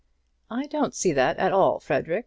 "I don't see that at all, Frederic."